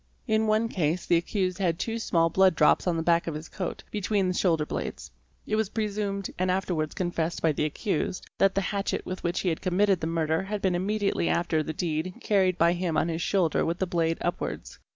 In one case the accused had two small blood drops on the back of his coat, between the shoulder blades. It was presumed, and afterwards confessed by the accused, that the hatchet with which he had committed the murder had been immediately after the deed carried by him on his shoulder with the blade upwards.